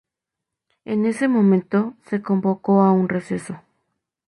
En ese momento se convocó a un receso.